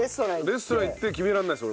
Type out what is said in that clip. レストラン行って決められないです